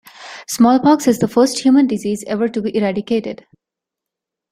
Smallpox is the first human disease ever to be eradicated.